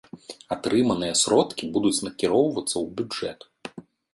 Атрыманыя сродкі будуць накіроўвацца ў бюджэт.